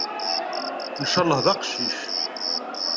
Nchallah d aqcic.